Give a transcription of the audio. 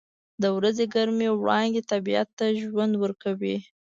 • د ورځې ګرمې وړانګې طبیعت ته ژوند ورکوي.